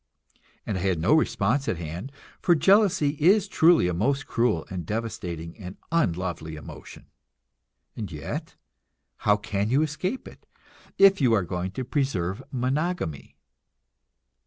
And I had no response at hand; for jealousy is truly a most cruel and devastating and unlovely emotion; and yet, how can you escape it, if you are going to preserve monogamy?